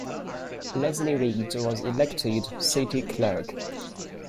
Leslie Reed was elected City Clerk.